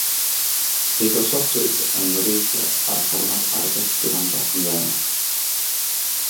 Fe'i gosodwyd yn wreiddiol ar fformat arddull gwrando hamddenol.